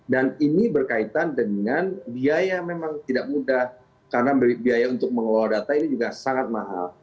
dan ini berkaitan dengan biaya yang memang tidak mudah karena biaya untuk mengelola data ini juga sangat mahal